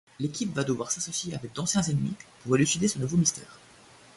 L'équipe va devoir s'associer avec d'anciens ennemis pour élucider ce nouveau mystère.